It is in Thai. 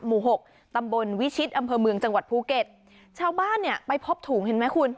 หกตำบลวิชิตอำเภอเมืองจังหวัดภูเก็ตชาวบ้านเนี่ยไปพบถุงเห็นไหมคุณ